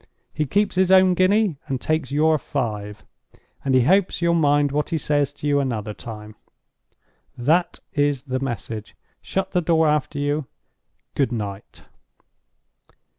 He keeps his own guinea, and takes your five; and he hopes you'll mind what he says to you another time.' That is the message. Shut the door after you. Good night."